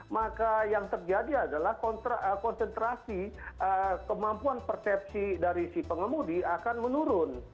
maka yang terjadi adalah konsentrasi kemampuan persepsi dari si pengemudi akan menurun